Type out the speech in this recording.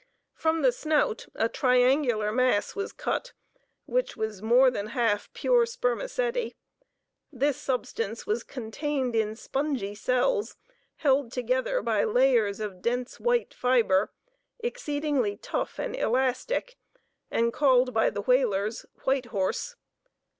From the snout a triangular mass was cut, which was more than half pure spermaceti. This substance was contained in spongy cells held together by layers of dense white fibre, exceedingly tough and elastic, and called by the whalers "white horse."